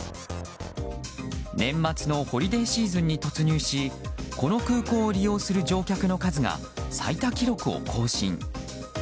年末のホリデーシーズンに突入しこの空港を利用する乗客の数が最多記録を更新。